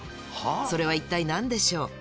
それは一体何でしょう？